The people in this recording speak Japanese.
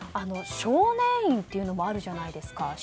少年院ってのもあるじゃないですか。